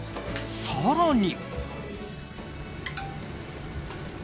更に。